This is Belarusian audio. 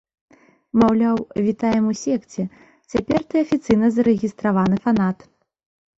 Маўляў, вітаем у секце, цяпер ты афіцыйна зарэгістраваны фанат.